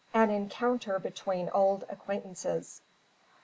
AN ENCOUNTER BETWEEN OLD ACQUAINTANCES.